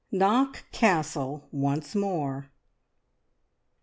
KNOCK CASTLE ONCE MORE.